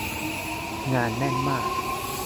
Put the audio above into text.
งานแน่นมาก